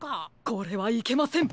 これはいけません！